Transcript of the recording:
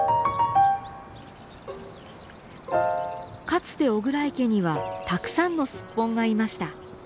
かつて巨椋池にはたくさんのスッポンがいました。